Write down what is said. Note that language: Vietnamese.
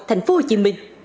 thành phố hồ chí minh